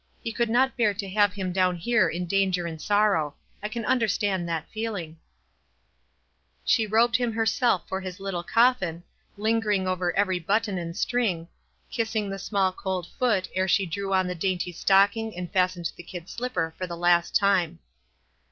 He could not bear to have him down here in dangci aud sorrow. I can understand that feeling.'" 874 WISE AND OTHERWISE. 375 Sho robed him herself for his little coffin, lin gering over every button unci string, kissing the small cold foot, ere she drew on the dainty stock ing and fastened the kid slipper for the last time.